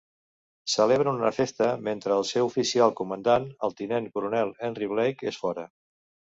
Celebren una festa mentre el seu oficial comandant, el tinent coronel Henry Blake, és fora.